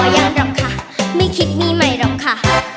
ยังหรอกค่ะไม่คิดหนี้ใหม่หรอกค่ะ